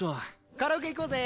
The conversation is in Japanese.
カラオケ行こうぜ！